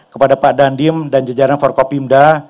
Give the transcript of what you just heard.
kepada pak dandim dan jajaran forkopimda